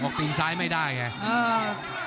ภูตวรรณสิทธิ์บุญมีน้ำเงิน